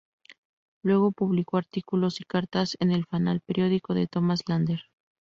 Luego, publicó artículos y cartas en "El Fanal", periódico de Tomás Lander.